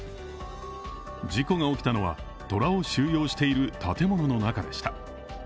事故が起きたのは、虎を収容している建物の中でした。